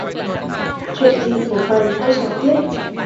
chuyện gì của mày tao chả biết